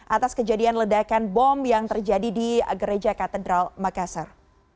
atas kejadian ledakan bom yang terjadi di gereja katedral makassar